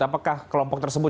apakah kelompok tersebut